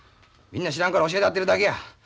みんな知らんから教えたってるだけや。